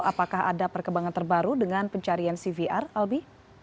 apakah ada perkembangan terbaru dengan pencarian cvr albi